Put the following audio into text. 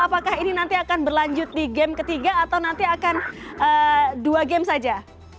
apakah ini nanti akan berlanjut di game ketiga atau nanti akan dua game saja